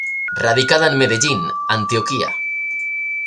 Radicada en Medellín, Antioquia.